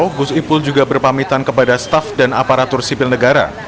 gus ipul juga berpamitan kepada staff dan aparatur sipil negara